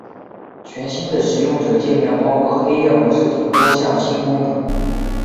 全新的使用者界面包括黑夜模式等多项新功能。